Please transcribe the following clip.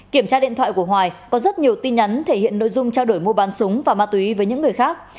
kiểm tra điện thoại của hoài có rất nhiều tin nhắn thể hiện nội dung trao đổi mua bán súng và ma túy với những người khác